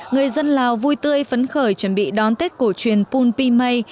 người dân lào vui tươi phấn khởi chuẩn bị đón tết cổ truyền pun pi may